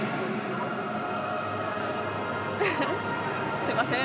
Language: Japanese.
すみません。